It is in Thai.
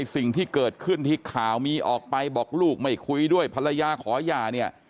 สิ่งที่เกิดขึ้นที่ข่าวมีออกไปบอกลูกไม่คุยด้วยภรรยาขอหย่าเนี่ย